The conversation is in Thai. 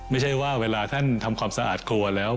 ไม่ใช่ว่าเวลาท่านทำความสะอาดครัวแล้ว